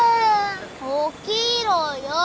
起きろよ。